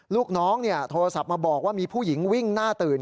ลูกน้องโทรศัพท์มาบอกว่ามีผู้หญิงวิ่งหน้าตื่น